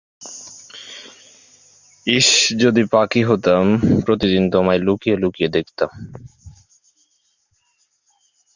তৎকালীন উপ-প্রধান সামরিক আইন প্রশাসক রিয়ার এডমিরাল মাহবুব আলী খান একই বছরের আগস্টে এ কমিটির সভাপতি হিসেবে দায়িত্ব গ্রহণ করেন।